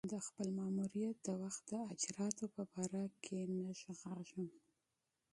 د خپل ماموریت د وخت د اجرآتو په باره کې نه ږغېږم.